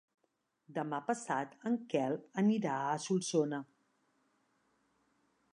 Demà passat en Quel anirà a Solsona.